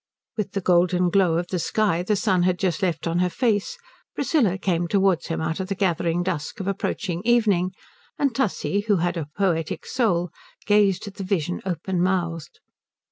With the golden glow of the sky the sun had just left on her face Priscilla came towards him out of the gathering dusk of approaching evening, and Tussie, who had a poetic soul, gazed at the vision openmouthed.